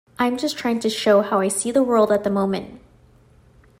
I'm just trying to show how I see the world at the moment.